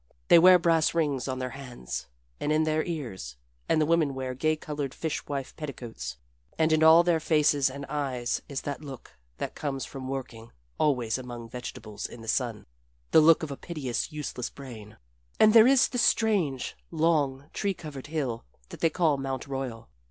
They wear brass rings on their hands and in their ears, and the women wear gay colored fish wife petticoats, and in all their faces and eyes is that look that comes from working always among vegetables in the sun, the look of a piteous, useless brain. And there is the strange, long, tree covered hill that they call Mount Royal.